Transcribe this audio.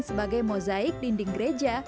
sebagai mozaik dinding gereja